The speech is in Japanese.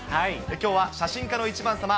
きょうは写真家の１番さま。